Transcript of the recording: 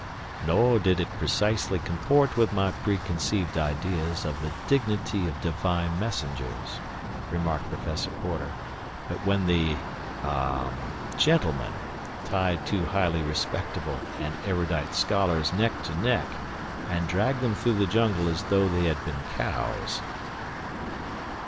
"Nor did it precisely comport with my preconceived ideas of the dignity of divine messengers," remarked Professor Porter, "when the—ah—gentleman tied two highly respectable and erudite scholars neck to neck and dragged them through the jungle as though they had been cows."